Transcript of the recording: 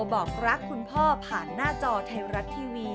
บอกรักคุณพ่อผ่านหน้าจอไทยรัฐทีวี